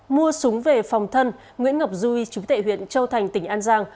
mua súng về phòng thân nguyễn ngọc duy chú tệ huyện châu thành tỉnh an giang